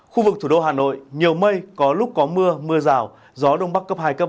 khu vực thủ đô hà nội nhiều mây có lúc có mưa mưa rào gió đông bắc cấp hai cấp năm